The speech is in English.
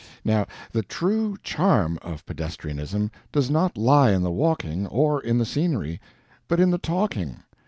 Now, the true charm of pedestrianism does not lie in the walking, or in the scenery, but in the talking.